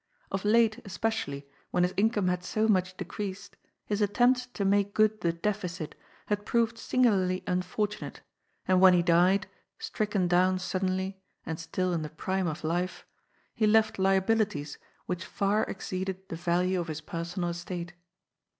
Of late, especially, when his income had so much decreased, his attempts to make good the deficit had proved singularly unfortunate, and when he died, stricken down suddenly, and still in the prime of life, he left liabilities which far exceeded the value of his personal estate.